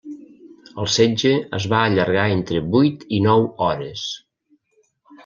El setge es va allargar entre vuit i nou hores.